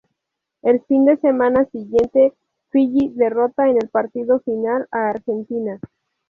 El fin de semana siguiente, Fiyi derrota en el partido final a Argentina.